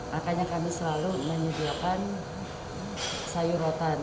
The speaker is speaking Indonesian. makanya kami selalu menyediakan sayur rotan